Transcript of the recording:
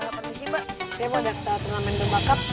permisi mbak saya mau daftar turnamen domba cup